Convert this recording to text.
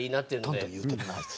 どんどん言うてるなあいつ。